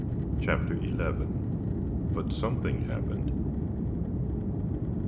CHAPTER XI: BUT SOMETHING HAPPENED!